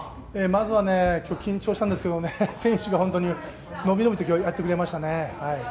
まずは今日緊張したんですけれども選手がのびのびとやってくれましたね。